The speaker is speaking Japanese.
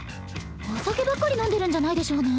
お酒ばっかり飲んでるんじゃないでしょうね？